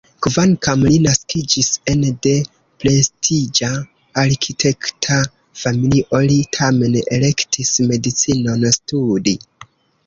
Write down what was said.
Kvankam li naskiĝis ene de prestiĝa arkitekta familio, li tamen elektis medicinon studi.